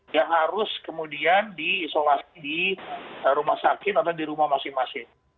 yang harus kemudian diisolasi di rumah sakit atau di rumah masing masing